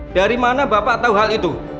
dari mana bapak tahu hal itu